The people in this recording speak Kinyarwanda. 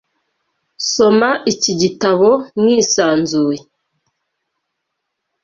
Soma iki gitabo mwisanzuye.